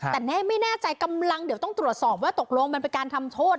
แต่แน่ไม่แน่ใจกำลังเดี๋ยวต้องตรวจสอบว่าตกลงมันเป็นการทำโทษ